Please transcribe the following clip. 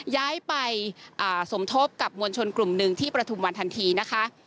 ย้ายไปสมทบกับมวลชนกลุ่มหนึ่งที่ประทุมวันทันทีนะคะ